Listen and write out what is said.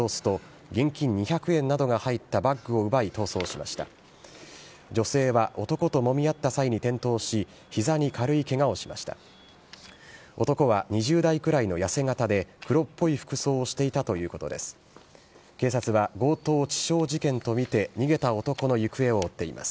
男は２０代くらいの痩せ形で、黒っぽい服装をしていたということです。